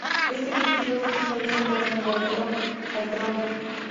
Este título es poseído por el heredero al trono.